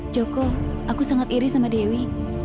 joko aku sangat iri sama dewi